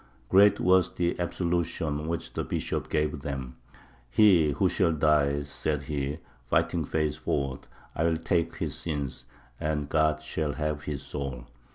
Great was the absolution which the bishop gave them: He who shall die, said he, fighting face forward, I will take his sins, and God shall have his soul.